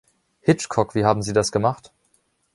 Hitchcock, wie haben Sie das gemacht?